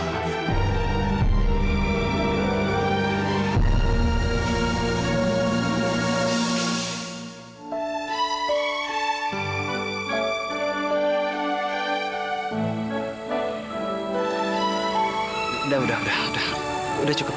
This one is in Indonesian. udah udah udah udah cukup